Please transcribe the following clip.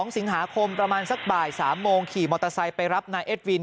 ๒สิงหาคมประมาณสักบ่าย๓โมงขี่มอเตอร์ไซค์ไปรับนายเอ็ดวิน